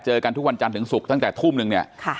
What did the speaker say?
กันทุกวันจันทร์ถึงศุกร์ตั้งแต่ทุ่มนึงเนี่ย